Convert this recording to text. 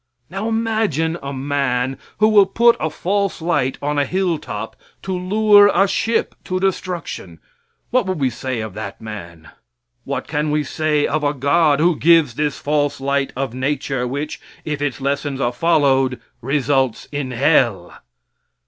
Now imagine a man who will put a false light on a hilltop to lure a ship to destruction. What would we say of that man? What can we say of a God who gives this false light of nature which, if its lessons are followed, results in hell?